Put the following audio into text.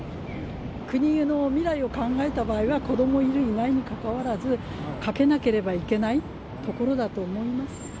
国の未来を考えた場合は子どもいる、いないにかかわらず、かけなければいけないところだと思います。